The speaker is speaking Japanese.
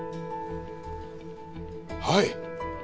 はい！